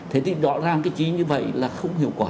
thế thì rõ ràng cái chi như vậy là không hiệu quả